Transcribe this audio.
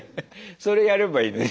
それやればいいのに。